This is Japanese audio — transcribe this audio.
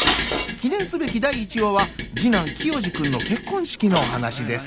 記念すべき第１話は次男清二君の結婚式のお話です。